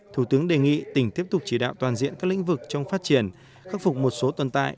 thủ tướng đề nghị tỉnh tiếp tục chỉ đạo toàn diện các lĩnh vực trong phát triển khắc phục một số tồn tại